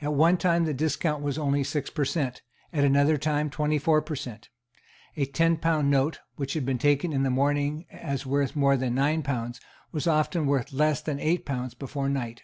At one time the discount was only six per cent., at another time twenty four per cent. A tenpound note, which had been taken in the morning as worth more than nine pounds, was often worth less than eight pounds before night.